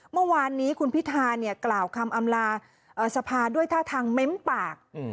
เมื่อวานนี้คุณพิธาเนี่ยกล่าวคำอำลาสภาด้วยท่าทางเม้มปาก